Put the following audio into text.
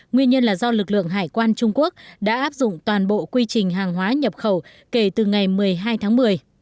nguyên nhân là do lực lượng hải quan trung quốc đã áp dụng toàn bộ quy trình hàng hóa nhập khẩu kể từ ngày một mươi hai tháng một mươi